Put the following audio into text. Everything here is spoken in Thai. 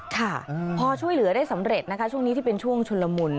ค่ะพอช่วยเหลือได้สำเร็จนะคะช่วงนี้ที่เป็นช่วงชุนละมุน